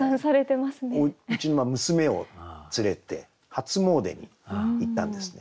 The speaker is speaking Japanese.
うちの娘を連れて初詣に行ったんですね。